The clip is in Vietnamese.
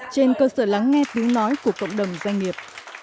trên cơ sở lắng nghe tiếng nói của cộng đồng doanh nghiệp